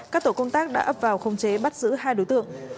các tổ công tác đã ập vào không chế bắt giữ hai đối tượng